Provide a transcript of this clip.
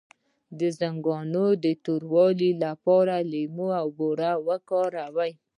د زنګونونو د توروالي لپاره لیمو او بوره وکاروئ